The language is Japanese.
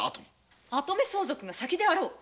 跡目相続が先であろう！